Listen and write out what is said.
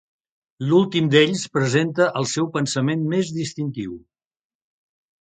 L'últim d'ells presenta el seu pensament més distintiu.